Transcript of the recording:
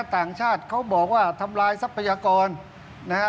ต่างชาติเขาบอกว่าทำลายทรัพยากรนะฮะ